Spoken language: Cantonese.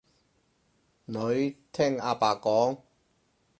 女，聽阿爸講